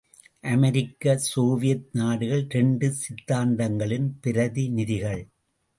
அமெரிக்க Soviet நாடுகள் இரண்டு சித்தாந்தங்களின் பிரதிநிதிகள்.